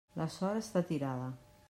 La sort està tirada.